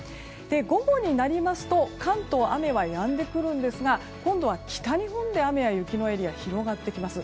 午後になりますと関東、雨はやんでくるんですが今度は北日本で雨や雪のエリアが広がります。